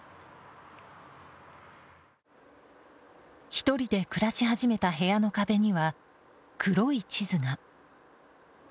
１人で暮らし始めた部屋の壁には、黒い地図が。